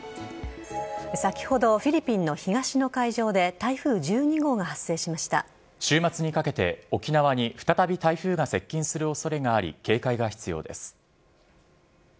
先ほどフィリピンの東の海上で週末にかけて沖縄に再び台風が接近する恐れがあり警戒が必要です。